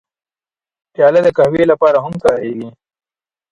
پیاله د قهوې لپاره هم کارېږي.